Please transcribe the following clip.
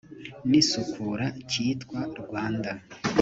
n isukura cyitwa rwanda